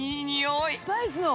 スパイスの！